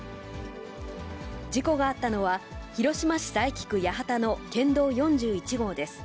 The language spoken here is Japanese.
事故があったのは、広島市佐伯区八幡の県道４１号です。